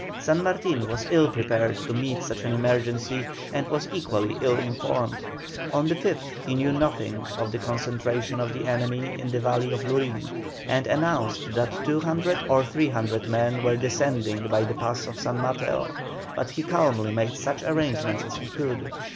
San Martin was ill prepared to meet such an emergency, and was equally ill informed. On the 5th he knew nothing of the concentration of the enemy in the valley of Lurin, and announced that 200 or 300 men were descending by the pass of San Mateo; but he calmly made such arrangements as he could.